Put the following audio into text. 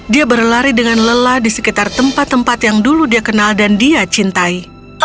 dia berlari dengan lelah di sekitar tempat tempat yang dulu dia kenal dan dia cintai